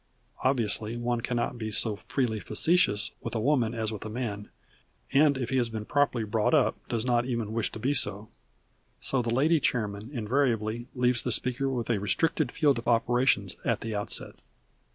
Obviously one cannot be so freely facetious with a woman as with a man, and if he has been properly brought up does not even wish to be so. So that the Lady Chairman invariably leaves the speaker with a restricted field of operations at the outset.